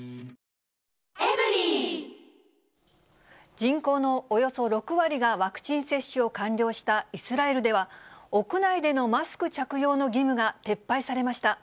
人口のおよそ６割がワクチン接種を完了したイスラエルでは、屋内でのマスク着用の義務が撤廃されました。